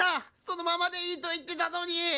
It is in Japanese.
そのままでいいと言ってたのに！